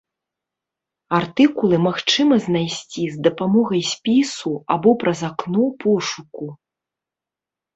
Артыкулы магчыма знайсці з дапамогай спісу або праз акно пошуку.